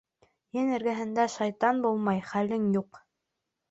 Ен эргәһендә шайтан булмай, хәлең юҡ!